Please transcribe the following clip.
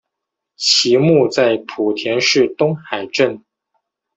其墓在莆田市东海镇。